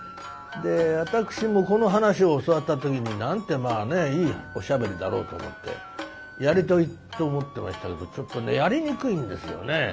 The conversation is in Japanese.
で私もこの噺を教わった時になんてまあねいいおしゃべりだろうと思ってやりたいと思ってましたけどちょっとねやりにくいんですよね。